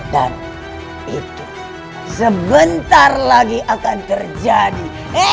dan itu sebentar lagi akan terjadi